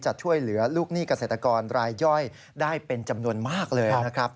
จะช่วยเหลือลูกหนี้เกษตรกรรายย่อยได้เป็นจำนวนมากเลยนะครับ